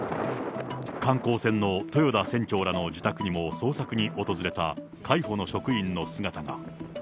観光船の豊田船長らの自宅にも捜索に訪れた海保の職員の姿が。